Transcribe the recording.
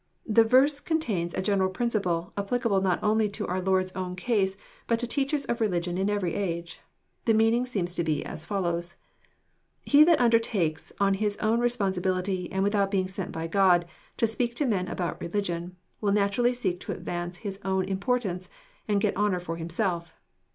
The verse con tains a general principlejapplicable not only to our Lord's own case, but to teachers orreligion in every age. The meaning seems to be as follows :— 'e that undertakes on his own re sponsibility, and without being sent by Ubd, to speak to men about religion, will naturally seek to advance his own ira * portance, and get honour for himself.